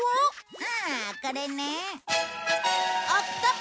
ああこれね。